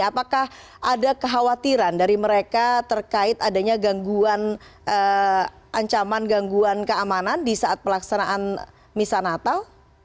apakah ada kekhawatiran dari mereka terkait adanya gangguan ancaman gangguan keamanan di saat pelaksanaan misa natal